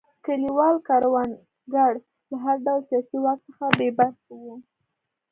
کلیوال کروندګر له هر ډول سیاسي واک څخه بې برخې وو.